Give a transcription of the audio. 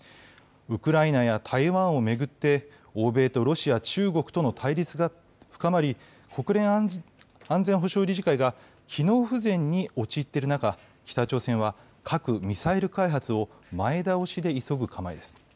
ウクライナや台湾を巡って、欧米とロシア、中国との対立が深まり、国連安全保障理事会が機能不全に陥っている中、北朝鮮は核・ミサイル開発を前倒しで急ぐ構えです。